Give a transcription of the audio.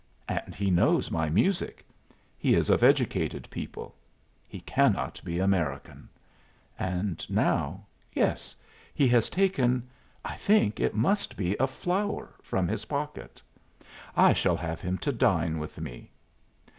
And he knows my music. He is of educated people. He cannot be American. And now yes, he has taken I think it must be a flower, from his pocket. I shall have him to dine with me."